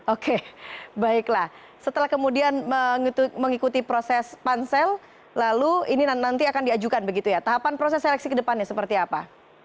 oke baiklah setelah kemudian mengikuti proses pansel lalu ini nanti akan diajukan begitu ya tahapan proses seleksi kedepannya seperti apa